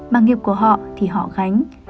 mà nghiệp của họ thì họ gánh